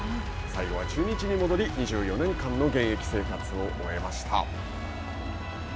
最後は中日に戻り２４年間の現役生活を終えました。